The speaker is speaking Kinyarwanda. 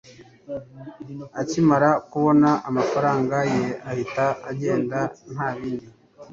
akimara kubona amafaranga ye ahita agenda nta bindi